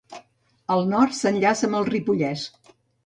Al nord, s'enllaça amb el Ripollès.